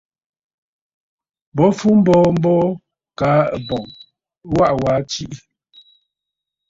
Bo fu mboo mboo, kaa ɨ̀bɔ̀ŋ ɨ waʼa waa tiʼì.